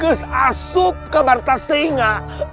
ges asup ke marta senga